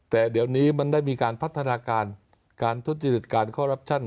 แต่เดี๋ยวนี้มันได้มีการพัฒนาการการทุจริตการคอรัปชั่น